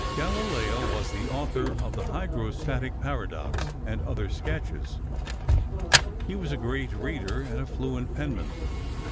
Galileo was the author of the hydrostatic paradox and other sketches. He was a great reader and a fluent penman.